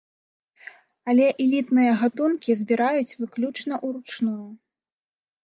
Але элітныя гатункі збіраюць выключна ўручную.